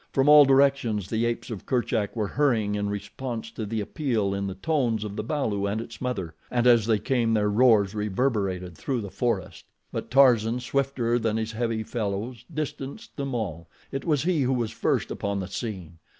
From all directions the apes of Kerchak were hurrying in response to the appeal in the tones of the balu and its mother, and as they came, their roars reverberated through the forest. But Tarzan, swifter than his heavy fellows, distanced them all. It was he who was first upon the scene.